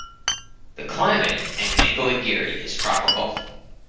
The climate in Mangalagiri is tropical.